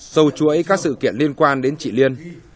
sâu chuỗi các sự kiện liên quan đến chị liên